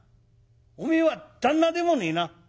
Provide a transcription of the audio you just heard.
「おめえは旦那でもねえな」。